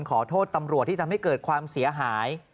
ขอโทษตำรวจที่ทำให้เกิดความเสียหาย